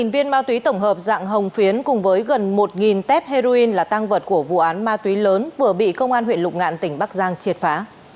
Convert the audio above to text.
một mươi viên ma túy tổng hợp dạng hồng phiến cùng với gần một tep heroin là tăng vật của vụ án ma túy lớn vừa bị công an huyện lục ngạn tỉnh bắc giang triệt phá